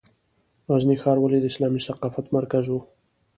غزني ښار ولې د اسلامي ثقافت مرکز و؟